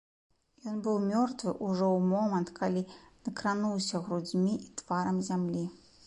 Ён быў мёртвы ўжо ў момант, калі дакрануўся грудзьмі і тварам зямлі.